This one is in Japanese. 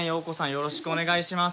よろしくお願いします。